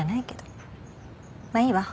まあいいわ。